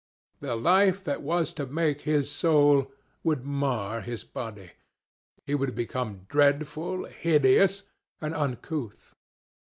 The life that was to make his soul would mar his body. He would become dreadful, hideous, and uncouth.